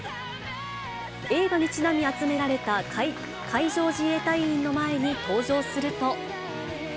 映画にちなみ集められた海上自衛隊員の前に登場すると。